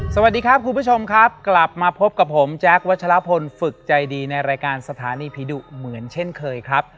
สวัสดีครับคุณผู้ชมครับกลับมาพบกับผมแจ๊ควัชลพลฝึกใจดีในรายการสถานีผีดุเหมือนเช่นเคยครับ